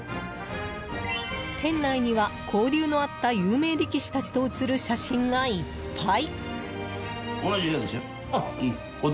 店内には交流のあった有名力士たちと写る写真がいっぱい。